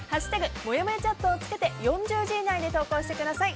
「＃もやもやチャット」を付けて４０字以内で投稿してください。